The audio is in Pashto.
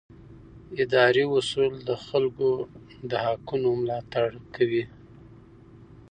اداري اصول د خلکو د حقونو ملاتړ کوي.